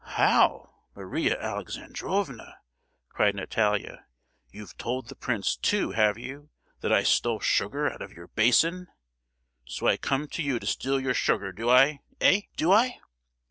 "How, Maria Alexandrovna!" cried Natalia, "you've told the prince too, have you, that I stole sugar out of your basin? So I come to you to steal your sugar, do I, eh! do I?"